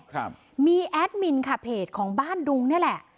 ครับมีแอดมินค่ะเพจของบ้านดุงนี่แหละ